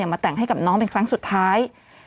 มาแต่งให้กับน้องเป็นครั้งสุดท้าย